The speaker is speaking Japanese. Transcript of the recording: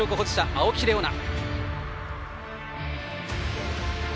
青木玲緒樹。